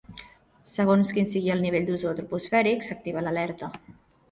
Segons quin sigui el nivell d'ozó troposfèric, s'activa l'alerta.